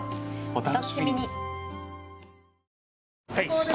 お楽しみに！